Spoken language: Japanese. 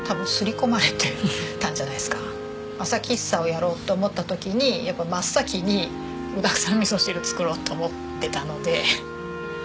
多分朝喫茶をやろうと思った時にやっぱ真っ先に具だくさんみそ汁作ろうと思ってたので。